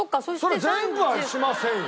そりゃ全部はしませんよ。